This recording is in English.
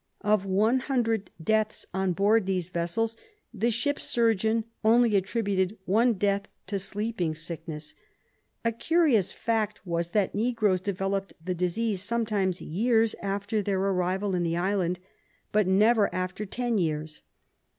Of onfe hundred deaths on board these vessels, the ship's surgeon only attributed one death to sleeping sickness. A curious fact was that negroes developed the disease some times years after their arrival in the island, but never after ten years.